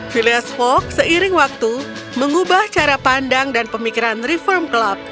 philias hoax seiring waktu mengubah cara pandang dan pemikiran reform club